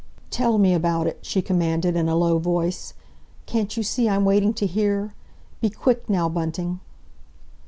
"Tell me about it," she commanded, in a low voice. "Can't you see I'm waiting to hear? Be quick now, Bunting!"